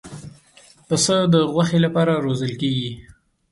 پسه د غوښې لپاره روزل کېږي.